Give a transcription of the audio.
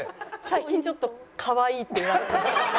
最近ちょっと「可愛い」って言われてます。